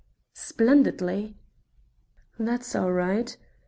"Splendidly." "That's all right.